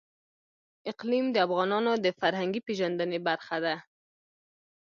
اقلیم د افغانانو د فرهنګي پیژندنې برخه ده.